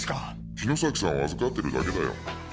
「城崎さんを預かってるだけだよ」